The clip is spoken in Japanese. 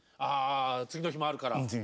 次の日もあるから。